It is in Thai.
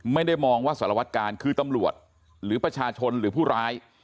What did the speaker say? ไม่ได้มองว่าสารวัตกาลคือตำรวจหรือประชาชนหรือผู้ร้าย